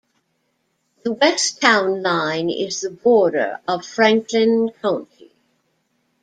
The west town line is the border of Franklin County.